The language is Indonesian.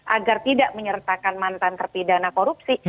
agar tidak menyertakan mantan terpidana korupsi